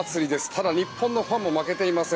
ただ日本のファンも負けていません。